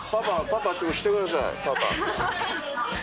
パパ来てくださいパパ。